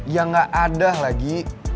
ya gak ada lagi